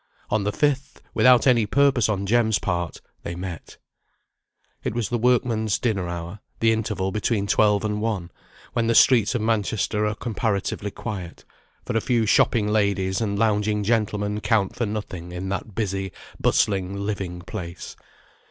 On the fifth, without any purpose on Jem's part, they met. It was the workmen's dinner hour, the interval between twelve and one; when the streets of Manchester are comparatively quiet, for a few shopping ladies and lounging gentlemen count for nothing in that busy, bustling, living place.